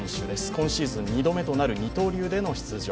今シーズン２度目となる二刀流での出場。